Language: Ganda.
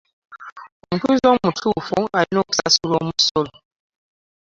Omutuuze omutuufu alina okusasula omusolo.